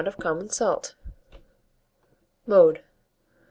of common salt. Mode.